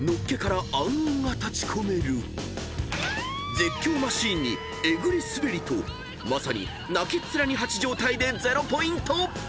［絶叫マシンにえぐりスベリとまさに泣きっ面に蜂状態で０ポイント］